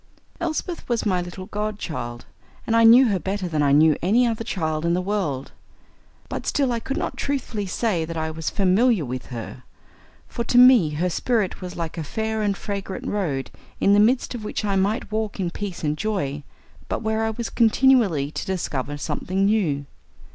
Elsbeth was my little godchild, and I knew her better than I knew any other child in the world. But still I could not truthfully say that I was familiar with her, for to me her spirit was like a fair and fragrant road in the midst of which I might walk in peace and joy, but where I was continually to discover something new.